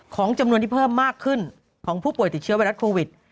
ของจำนวนที่เพิ่มมากขึ้นของผู้ป่วยติดเชื้อไวรัสโควิด